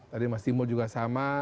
tadi mas timo juga sama